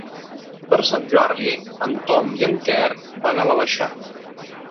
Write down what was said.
Per Sant Jordi en Tom i en Quer van a l'Aleixar.